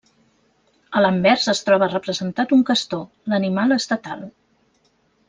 A l'anvers es troba representat un castor, l'animal estatal.